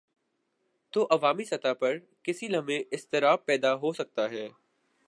تو عوامی سطح پر کسی لمحے اضطراب پیدا ہو سکتا ہے۔